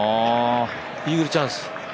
イーグルチャンス。